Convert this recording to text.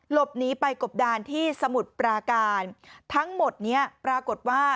หลบหนีไปกบดานที่สมุทรปราการทั้งหมดเนี้ยปรากฏว่า